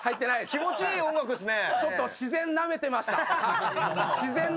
気持ちいい音楽ですね。